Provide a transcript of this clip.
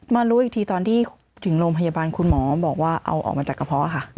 รู้อีกทีตอนที่ถึงโรงพยาบาลคุณหมอบอกว่าเอาออกมาจากกระเพาะค่ะ